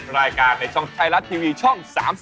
รายการในช่องไทยรัฐทีวีช่อง๓๒